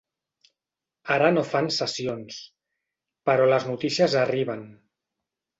Ara no fan sessions, però les notícies arriben.